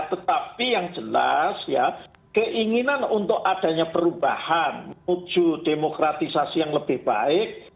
tetapi yang jelas ya keinginan untuk adanya perubahan menuju demokratisasi yang lebih baik